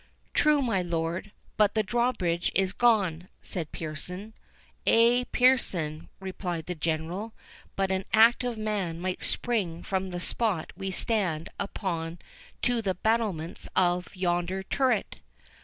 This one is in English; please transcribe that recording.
"True, my lord, but the drawbridge is gone," said Pearson. "Ay, Pearson," replied the General; "but an active man might spring from the spot we stand upon to the battlements of yonder turret."